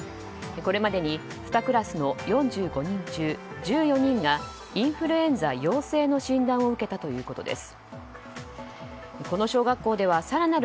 これまでに２クラスの４５人中１４人がインフルエンザ陽性の診断を受けたということです。